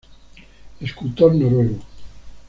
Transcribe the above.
Escultor noruego.